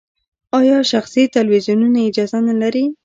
آیا شخصي تلویزیونونه اجازه نلري؟